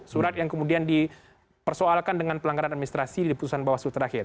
surat yang kemudian dipersoalkan dengan pelanggaran administrasi di putusan bawaslu terakhir